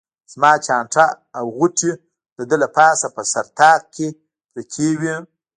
زما چانټه او غوټې د ده له پاسه په سر طاق کې پرتې وې.